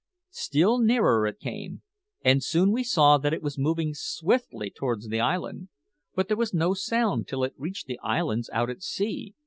Still nearer it came, and soon we saw that it was moving swiftly towards the island; but there was no sound till it reached the islands out at sea.